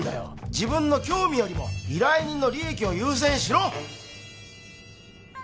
自分の興味よりも依頼人の利益を優先しろ！